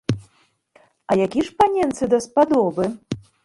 А які ж паненцы даспадобы?